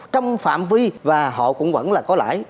trong phạm vi và họ cũng vẫn là có lãi